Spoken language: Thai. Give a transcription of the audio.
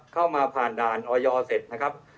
เข้ามาผ่านด่านออยเสร็จนะครับ